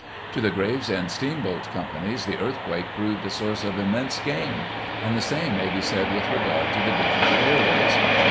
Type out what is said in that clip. To the Gravesend steamboat companies the 'earthquake* proved a source of immense gain ; and the same may be said with regard to the different railways.